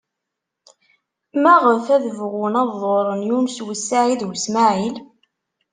Maɣef ad bɣun ad ḍurren Yunes u Saɛid u Smaɛil?